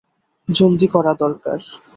জলদি করা দরকার।